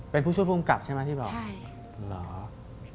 เป็นผู้ช่วยภูมิกับใช่ไหมที่บอกเหรอ